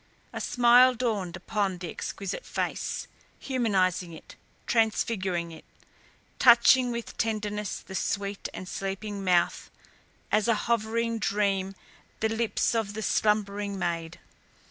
A smile dawned upon the exquisite face, humanizing it, transfiguring it, touching with tenderness the sweet and sleeping mouth as a hovering dream the lips of the slumbering maid.